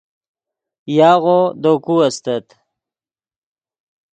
یاغو دے کو استت